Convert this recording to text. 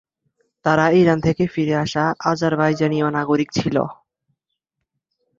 তারা ইরান থেকে ফিরে আসা আজারবাইজানীয় নাগরিক ছিল।